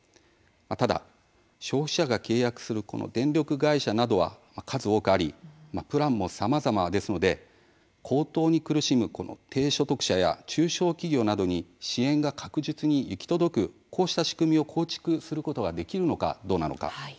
ただ、消費者が契約する電力会社などは数多くありプランもさまざまですので高騰に苦しむ低所得者や中小企業などに支援が確実に行き届くこうした仕組みを構築することができるのかどうなのか。